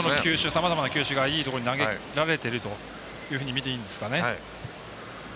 さまざまな球種が投げられているというふうに見ていいんですかね。